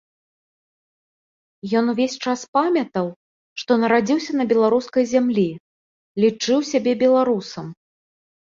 Ён увесь час памятаў, што нарадзіўся на беларускай зямлі, лічыў сябе беларусам.